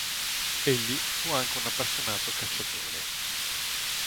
Egli fu anche un appassionato cacciatore.